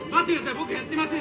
僕やってません。